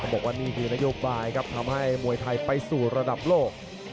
บอกว่านี่คือนโยบายครับทำให้มวยไทยไปสู่ระดับโลก